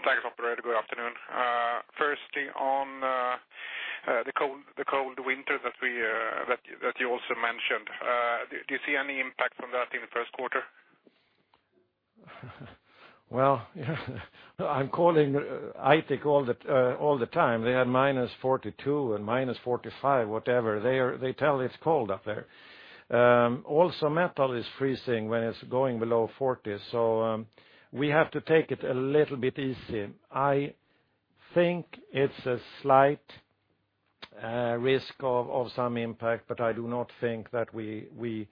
Thank you, operator. Good afternoon. Firstly, on the cold winter that you also mentioned, do you see any impact from that in the first quarter? I'm calling Aitik all the time. They have -42 and -45, whatever. They tell it's cold up there. Also, metal is freezing when it's going below 40. We have to take it a little bit easy. I think it's a slight risk of some impact. I do not think that we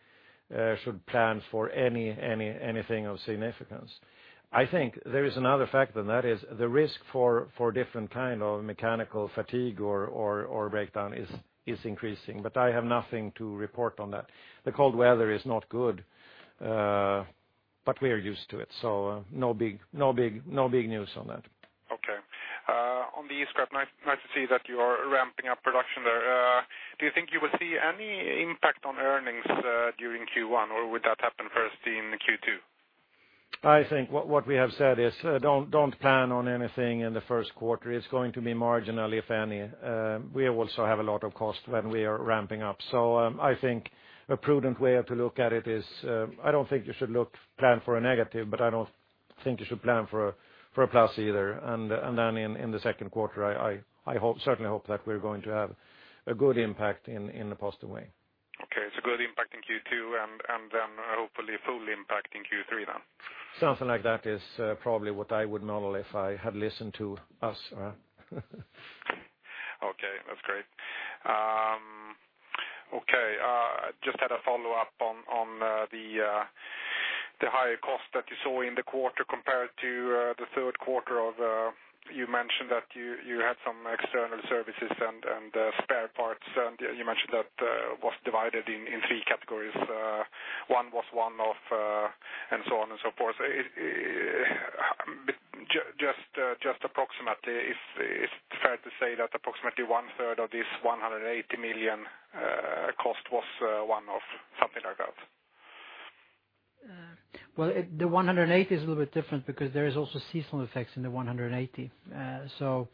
should plan for anything of significance. I think there is another factor, and that is the risk for different kinds of mechanical fatigue or breakdown is increasing. I have nothing to report on that. The cold weather is not good. We are used to it. No big news on that. OK. On the e-scrap, nice to see that you are ramping up production there. Do you think you will see any impact on earnings during Q1? Would that happen first in Q2? I think what we have said is don't plan on anything in the first quarter. It's going to be marginal, if any. We also have a lot of cost when we are ramping up. I think a prudent way to look at it is I don't think you should plan for a negative. I don't think you should plan for a plus either. In the second quarter, I certainly hope that we're going to have a good impact in a positive way. OK, good impact in Q2, hopefully full impact in Q3 then. Something like that is probably what I would model if I had listened to us. OK, that's great. I just had a follow-up on the higher cost that you saw in the quarter compared to the third quarter. You mentioned that you had some external services and spare parts. You mentioned that it was divided in three categories. One was one-off and so on and so forth. Just approximately, is it fair to say that approximately one-third of this 180 million cost was one-off, something like that? The 180 million is a little bit different because there are also seasonal effects in the 180 million.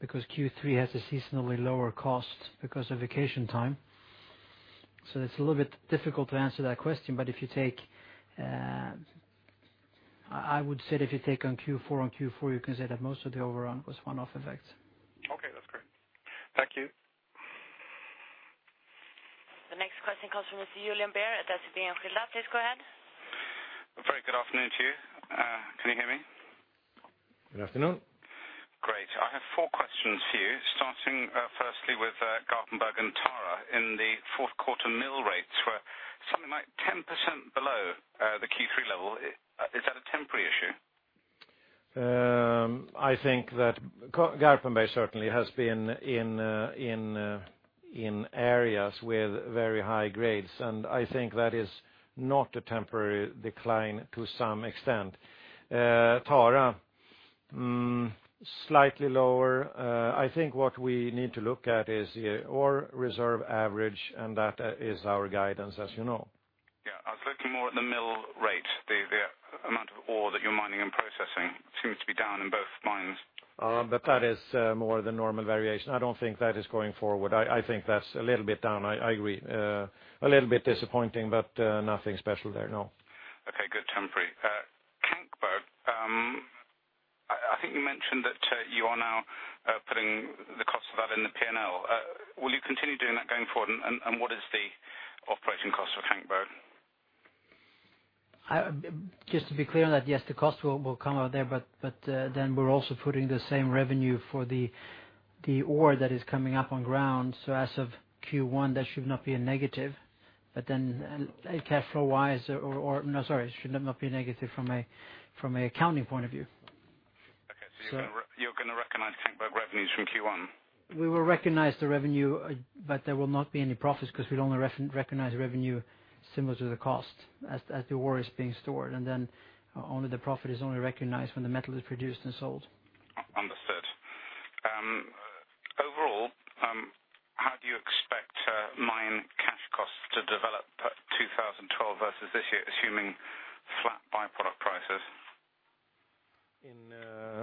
Because Q3 has a seasonally lower cost because of vacation time, it's a little bit difficult to answer that question. If you take, I would say that if you take on Q4 on Q4, you can say that most of the overrun was one-off effects. OK, that's great. Thank you. The next question comes from Mr. Julian Baer at SEB in Hilda. Please go ahead. Very good afternoon to you. Can you hear me? Good afternoon. Great. I have four questions for you, starting firstly with Garpenberg and Tara. In the fourth quarter, mill rates were something like 10% below the Q3 level. Is that a temporary issue? I think that Garpenberg certainly has been in areas with very high grades. I think that is not a temporary decline to some extent. Tara, slightly lower. What we need to look at is the ore reserve average. That is our guidance, as you know. Yeah, I was looking more at the mill rate. The amount of ore that you're mining and processing seems to be down in both mines. That is more of the normal variation. I don't think that is going forward. I think that's a little bit down. I agree, a little bit disappointing, but nothing special there, no. OK, good. Kankberg, I think you mentioned that you are now putting the cost of that in the P&L. Will you continue doing that going forward? What is the operating cost for Kankberg? Just to be clear on that, yes, the cost will come out there. We're also putting the same revenue for the ore that is coming up on ground. As of Q1, that should not be a negative. It should not be a negative from an accounting point of view. OK, so you're going to recognize Kankberg revenues from Q1. We will recognize the revenue, but there will not be any profits because we'll only recognize revenue similar to the cost as the ore is being stored. The profit is only recognized when the metal is produced and sold. Understood. Overall, how do you expect mine cash costs to develop 2012 versus this year, assuming flat byproduct prices?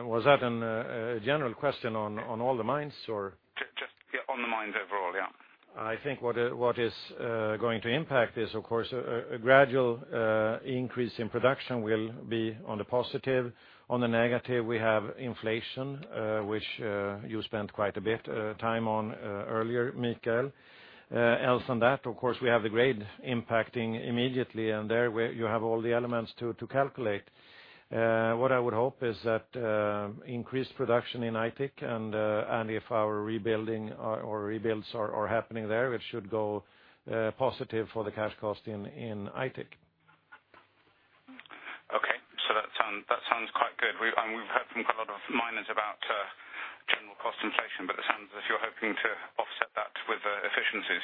Was that a general question on all the mines? Just on the mines overall, yeah. I think what is going to impact is, of course, a gradual increase in production will be on the positive. On the negative, we have inflation, which you spent quite a bit of time on earlier, Mikael. Other than that, of course, we have the grade impacting immediately. There you have all the elements to calculate. What I would hope is that increased production in Aitik, and if our rebuilding or rebuilds are happening there, it should go positive for the cash cost in Aitik. OK, that sounds quite good. We've heard from quite a lot of miners about general cost inflation. It sounds as if you're hoping to offset that with efficiencies.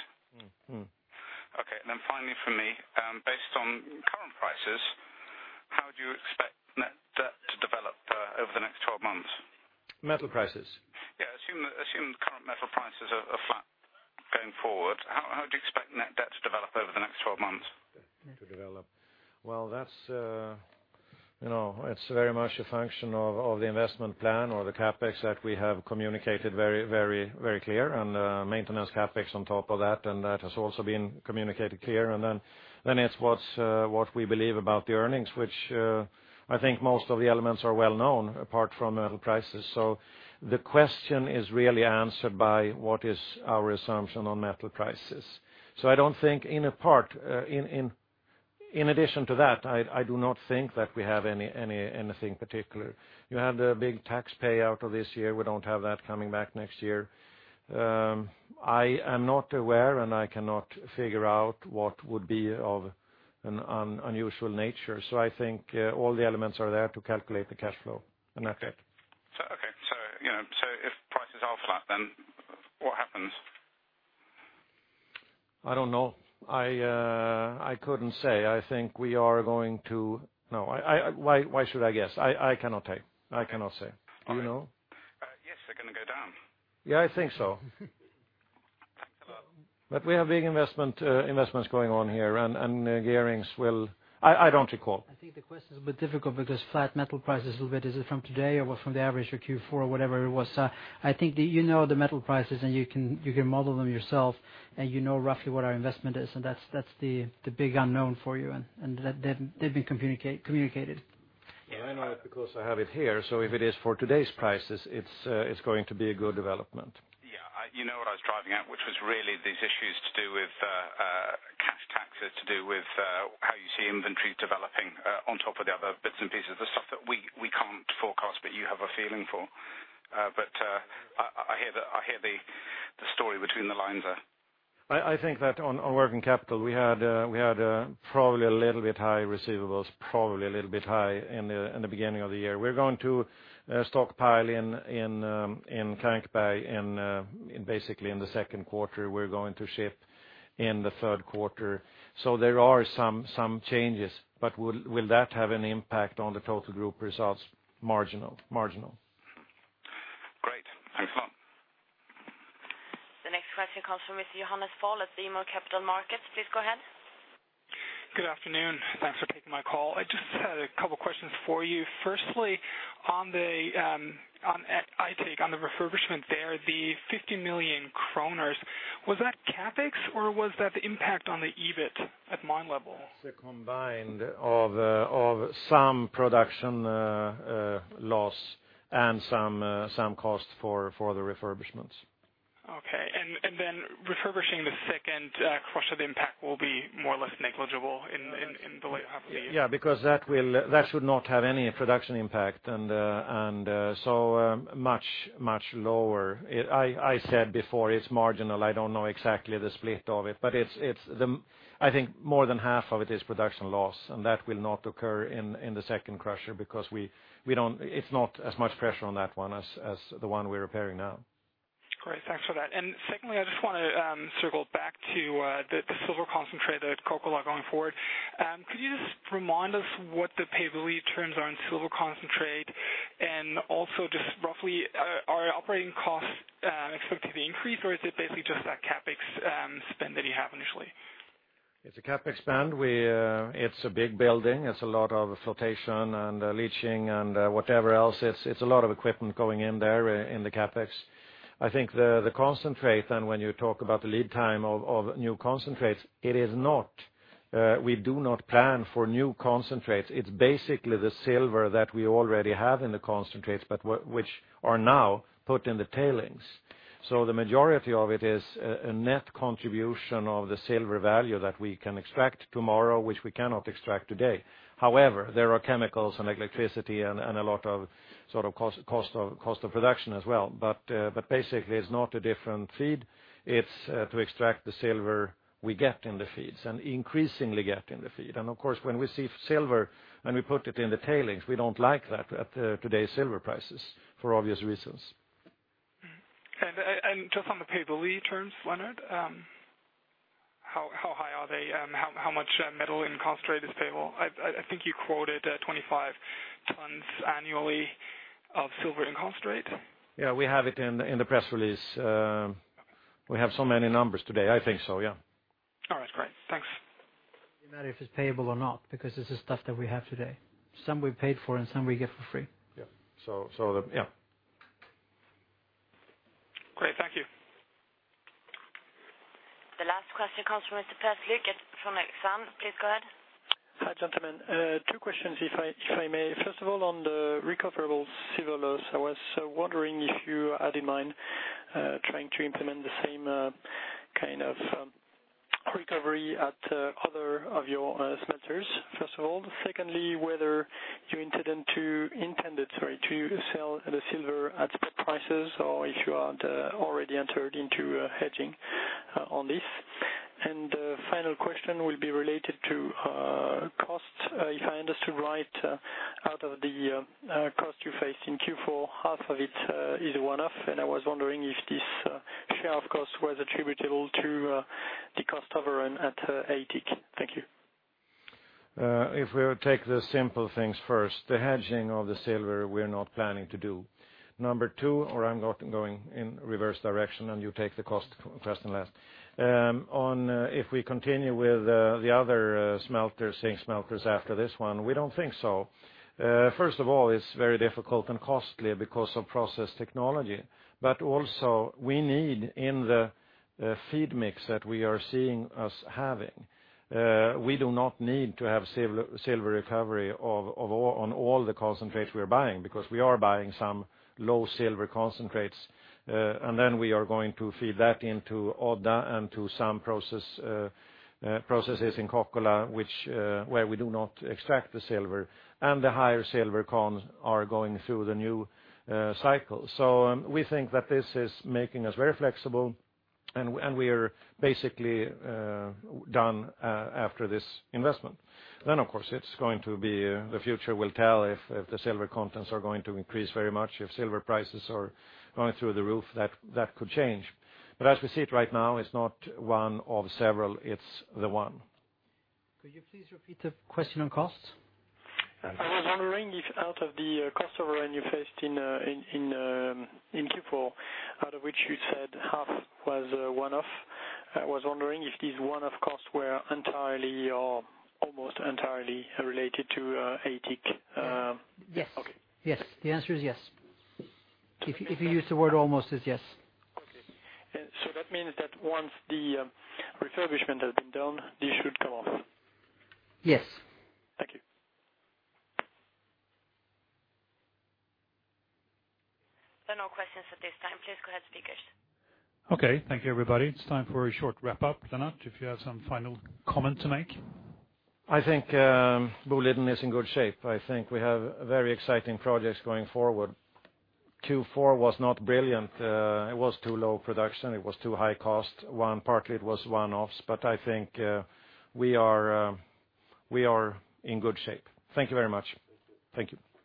Finally for me, based on current prices, how do you expect net debt to develop over the next 12 months? Metal prices? Assume current metal prices are flat going forward. How do you expect net debt to develop over the next 12 months? To develop? It's very much a function of the investment plan or the CapEx that we have communicated very, very, very clear. Maintenance CapEx on top of that has also been communicated clear. It's what we believe about the earnings, which I think most of the elements are well known, apart from metal prices. The question is really answered by what is our assumption on metal prices. I do not think that we have anything particular. You have the big tax payout of this year. We don't have that coming back next year. I am not aware, and I cannot figure out what would be of an unusual nature. I think all the elements are there to calculate the cash flow. That's it. OK, if prices are flat, then what happens? I don't know. I couldn't say. I think we are going to, no, why should I guess? I cannot tell. I cannot say. Do you know? Yes, they're going to go down. Yeah, I think so. Hello? We have big investments going on here. The gearing will, I don't recall. I think the question is a bit difficult because flat metal prices will be, is it from today or from the average of Q4 or whatever it was? I think that you know the metal prices. You can model them yourself, and you know roughly what our investment is. That's the big unknown for you, and they've been communicated. Yeah, I know it because I have it here. If it is for today's prices, it's going to be a good development. Yeah, you know what I was driving at, which was really these issues to do with taxes, to do with how you see inventories developing on top of the other bits and pieces, the stuff that we can't forecast, but you have a feeling for. I hear the story between the lines there. I think that on working capital, we had probably a little bit high receivables, probably a little bit high in the beginning of the year. We're going to stockpile in Kankberg basically in the second quarter. We're going to ship in the third quarter. There are some changes. Will that have an impact on the total group results? Marginal. Great. Excellent. The next question comes from Mr. Johannes Paul at RBC Capital Markets. Please go ahead. Good afternoon. Thanks for taking my call. I just had a couple of questions for you. Firstly, at Aitik, on the refurbishment there, the 50 million kronor, was that CapEx or was that the impact on the EBIT at mine level? It's a combination of some production loss and some cost for the refurbishments. OK. Refurbishing the second cross of the impact will be more or less negligible in the way it happened? Yeah, because that should not have any production impact. It's much, much lower. I said before it's marginal. I don't know exactly the split of it, but I think more than half of it is production loss. That will not occur in the second crusher because it's not as much pressure on that one as the one we're repairing now. Great, thanks for that. Secondly, I just want to circle back to the silver concentrate that Kokkola is going forward. Could you just remind us what the pay-by-lead terms are in silver concentrate? Also, just roughly, are operating costs expected to increase, or is it basically just that CapEx spend that you have initially? It's a CapEx spend. It's a big building. It's a lot of flotation and leaching and whatever else. It's a lot of equipment going in there in the CapEx. I think the concentrate, and when you talk about the lead time of new concentrates, it is not, we do not plan for new concentrates. It's basically the silver that we already have in the concentrates, but which are now put in the tailings. The majority of it is a net contribution of the silver value that we can extract tomorrow, which we cannot extract today. However, there are chemicals and electricity and a lot of sort of cost of production as well. Basically, it's not a different feed. It's to extract the silver we get in the feeds and increasingly get in the feed. Of course, when we see silver and we put it in the tailings, we don't like that at today's silver prices for obvious reasons. On the pay-by-lead terms, Lennart, how high are they? How much metal in cost rate is payable? I think you quoted 25 tons annually of silver in cost rate. Yeah, we have it in the press release. We have so many numbers today. I think so, yeah. All right, great. Thanks. It doesn't matter if it's payable or not because this is stuff that we have today. Some we've paid for, and some we get for free. Yeah. Great, thank you. The last question comes from Mr. Perzlik from Citigroup. Please go ahead. Hi, gentlemen. Two questions, if I may. First of all, on the recoverable silver loss, I was wondering if you had in mind trying to implement the same kind of recovery at other of your smelters, first of all. Secondly, whether you intended to sell the silver at spec prices or if you had already entered into hedging on this. The final question will be related to costs. If I understood right, out of the cost you faced in Q4, half of it is one-off. I was wondering if this share of cost was attributable to the cost offering at Aitik. Thank you. If we take the simple things first, the hedging of the silver, we're not planning to do. Number two, or I'm going in reverse direction and you take the cost first and last. If we continue with the other smelters, zinc smelters after this one, we don't think so. First of all, it's very difficult and costly because of process technology. Also, we need in the feed mix that we are seeing us having, we do not need to have silver recovery on all the concentrates we're buying because we are buying some low silver concentrates. We are going to feed that into Aitik and to some processes in Kokkola, where we do not extract the silver. The higher silver cons are going through the new cycle. We think that this is making us very flexible, and we are basically done after this investment. Of course, the future will tell if the silver contents are going to increase very much, if silver prices are going through the roof, that could change. As we see it right now, it's not one of several. It's the one. Could you please repeat the question on costs? I was wondering if out of the cost offering you faced in Q4, out of which you said half was one-off, I was wondering if these one-off costs were entirely or almost entirely related to Aitik. Yes. OK. Yes, the answer is yes. If you use the word almost, it's yes. OK. That means that once the service Went out in the dorm. This should come off. Yes. There are no questions at this time. Please go ahead, speakers. Okay, thank you, everybody. It's time for a short wrap-up. Lennart, if you have some final comments to make. I think Boliden is in good shape. I think we have very exciting projects going forward. Q4 was not brilliant. It was too low production. It was too high cost. Partly it was one-offs, but I think we are in good shape. Thank you very much. Thank you.